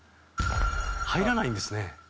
入らないんですね。